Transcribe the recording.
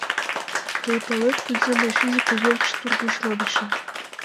— Тый палет, кузе мый физике верч тургыжланышым?